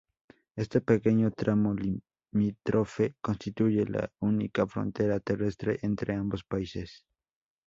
Este pequeño tramo limítrofe constituye la única frontera terrestre entre ambos países.